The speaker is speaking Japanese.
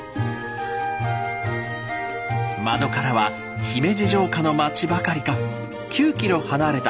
窓からは姫路城下の町ばかりか９ｋｍ離れた瀬戸内海まで